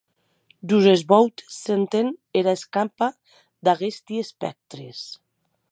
Jos es vòutes s’enten era escampa d’aguesti espèctres.